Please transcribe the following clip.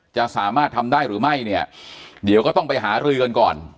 จะสามารถทำได้หรือไม่เนี่ยเดี๋ยวก็ต้องไปหารือกันก่อน